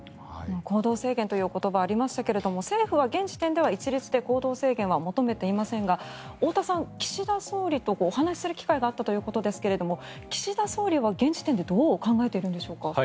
行動制限という言葉がありましたが政府は現時点では一律で行動制限は求めていませんが太田さん、岸田総理とお話しする機会があったということですが岸田総理は現時点でどう考えているんでしょうか？